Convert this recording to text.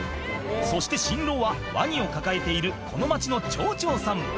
そして新郎はワニを抱えているこの町の町長さん